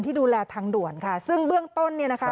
ดูแลทางด่วนค่ะซึ่งเบื้องต้นเนี่ยนะคะ